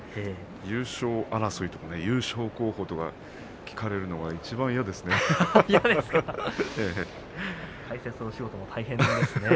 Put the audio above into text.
優勝争いとか優勝候補を聞かれるのがいちばん嫌ですね。